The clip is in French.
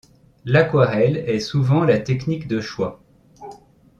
L'aquarelle est souvent la technique de choix.